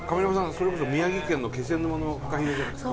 それこそ宮城県の気仙沼のフカヒレじゃないですか？